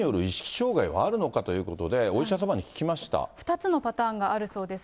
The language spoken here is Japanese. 障害はあるのかということで、お２つのパターンがあるそうです。